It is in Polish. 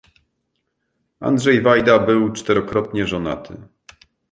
Andrzej Wajda był czterokrotnie żonaty.